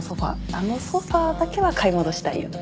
あのソファだけは買い戻したいよね。